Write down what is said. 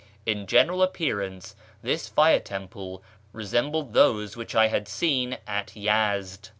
In Ljeneral appearance this fire teni])le resembled those wliich 1 liad seen at Yezd.